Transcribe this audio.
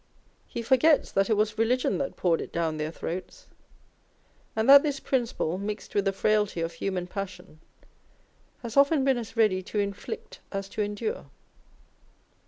He forgets that it was religion that poured it down their throats, and that this principle, mixed with the frailty of human passion, has often been as ready to inflict as to endure.